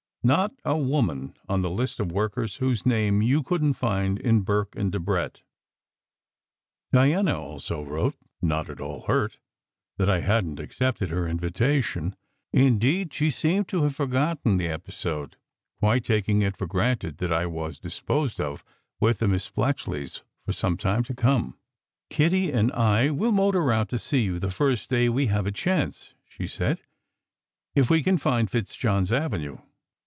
Not a woman on the list of workers whose name you couldn t find in Burke and Debrett ! Diana also wrote, not at all hurt that I hadn t accepted her invitation. Indeed, she seemed to have forgotten the episode, quite taking it for granted that I was disposed of with the Miss Splatchleys for some time to come. "Kitty and I will motor out to see you the first day we have a chance," she said, "if we can find Fitzjohn s Avenue.